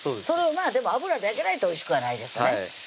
それをでも油で揚げないとおいしくはないですね